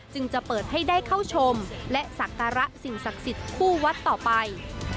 จะเปิดให้ได้เข้าชมและสักการะสิ่งศักดิ์สิทธิ์คู่วัดต่อไป